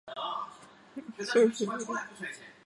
作品明显是导演押井守缓慢步调的风格。